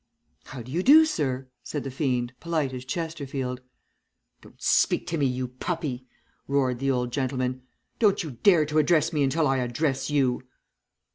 "'How do you do, sir?' said the fiend, polite as Chesterfield. "'Don't speak to me, you puppy,' roared the old gentleman. 'Don't you dare to address me until I address you.'